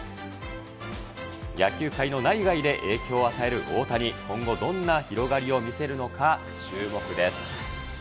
野球界の内外で影響を与える大谷、今後、どんな広がりを見せるのか、注目です。